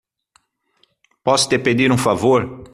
Posso te pedir um favor?